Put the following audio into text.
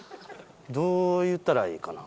どう言ったらいいかな。